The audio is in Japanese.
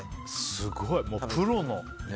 すごい、プロの。